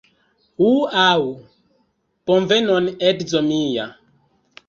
Ŭaŭ! Bonvenon edzo mia